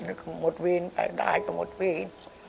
นี่ก็หมดวีนแต่ได้ก็หมดวีน